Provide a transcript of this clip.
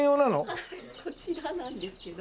はいこちらなんですけど。